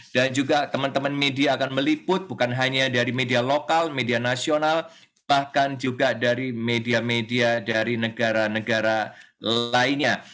dan juga teman teman media akan meliput bukan hanya dari media lokal media nasional bahkan juga dari media media dari negara negara lainnya